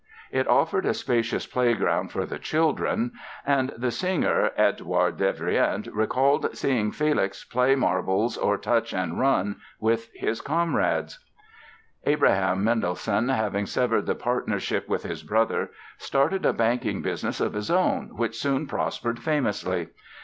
It offered a spacious playground for the children and the singer, Eduard Devrient, recalled seeing Felix play marbles or touch and run with his comrades. [Illustration: MENDELSSOHN'S BIRTHPLACE IN HAMBURG] Abraham Mendelssohn, having severed the partnership with his brother, started a banking business of his own which soon prospered famously.